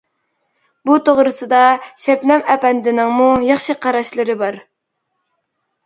بۇ توغرىسىدا شەبنەم ئەپەندىنىڭمۇ ياخشى قاراشلىرى بار.